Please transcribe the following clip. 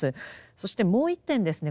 そしてもう一点ですね